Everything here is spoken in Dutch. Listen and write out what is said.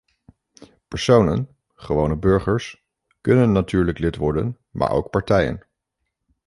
Personen, gewone burgers, kunnen natuurlijk lid worden, maar ook partijen.